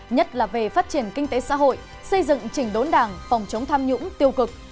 nhất là về phát triển kinh tế xã hội xây dựng chỉnh đốn đảng phòng chống tham nhũng tiêu cực